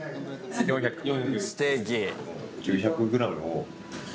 ステーキ。